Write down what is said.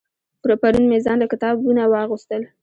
پرون مې ځان له کتابونه واغستل